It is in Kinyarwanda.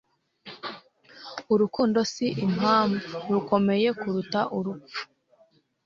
urukundo, si impamvu, rukomeye kuruta urupfu